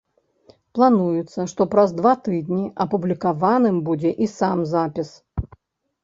Плануецца, што праз два тыдні апублікаваным будзе і сам запіс.